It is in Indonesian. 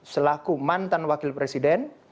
selaku mantan wakil presiden